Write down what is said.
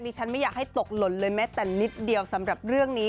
ฉันไม่อยากให้ตกหล่นเลยแม้แต่นิดเดียวสำหรับเรื่องนี้